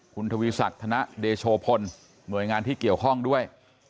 คุณธวิสัตว์ธนเดชโภลหน่วยงานที่เกี่ยวข้องด้วย